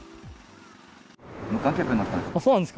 無観客になったんです。